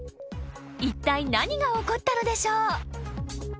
いったい何が起こったのでしょう？］